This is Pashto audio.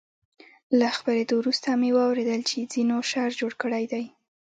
له خپرېدو وروسته مې واورېدل چې ځینو شر جوړ کړی دی.